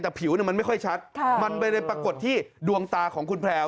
แต่ผิวมันไม่ค่อยชัดมันไม่ได้ปรากฏที่ดวงตาของคุณแพลว